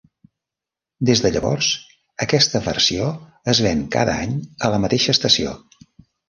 Des de llavors aquesta versió es ven cada any a la mateixa estació.